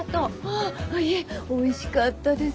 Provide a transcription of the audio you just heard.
あっいいえおいしかったです。